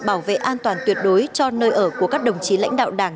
bảo vệ an toàn tuyệt đối cho nơi ở của các đồng chí lãnh đạo đảng